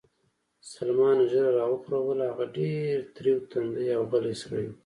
سلمان ږیره را وخروله، هغه ډېر تریو تندی او غلی سړی و.